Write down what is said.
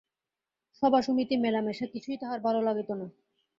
সভাসমিতি মেলামেশা কিছুই তাহার ভালো লাগিত না।